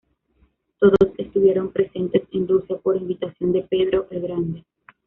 Todos estuvieron presentes en Rusia por invitación de Pedro el Grande.